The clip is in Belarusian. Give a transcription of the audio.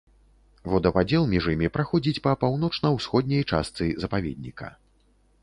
Водападзел між імі праходзіць па паўночна-ўсходняй частцы запаведніка.